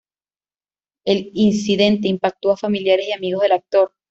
El incidente impactó a familiares y amigos del actor.